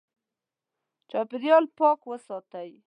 چاپېریال پاک وساتئ.